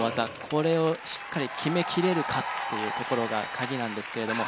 これをしっかり決めきれるかっていうところが鍵なんですけれども。